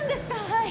はい。